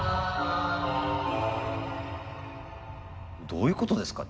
どういうことですか？